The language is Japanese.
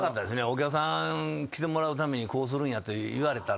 お客さん来てもらうためにこうするんやって言われたら。